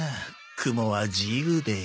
雲は自由で。